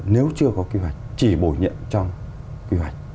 nếu chưa có kế hoạch chỉ bổ nhận trong kế hoạch